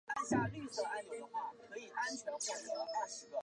更新版细明体于字形正确方面都遭到诟病。